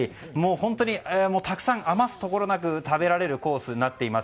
本当にたくさん、余すところなく食べられるコースになっています。